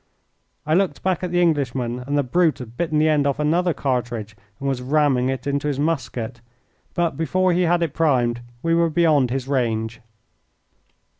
I looked back at the Englishman, and the brute had bitten the end off another cartridge and was ramming it into his musket, but before he had it primed we were beyond his range.